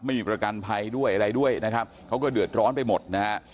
ไม่มีประกันภัยด้วยอะไรด้วยนะครับเขาก็เดือดร้อนไปหมดนะฮะ